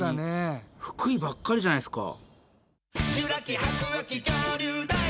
「フクイ」ばっかりじゃないですか。